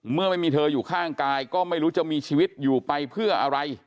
เมื่อไม่มีเธออยู่ข้างกายก็ไม่รู้จะมีชีวิตอยู่ไปเพื่ออะไร